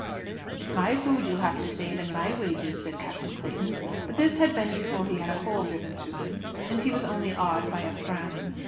"It's my food you'll have to save, and my wages," said Captain Clayton. But this had been before he had a hole driven through him, and he was only awed by a frown.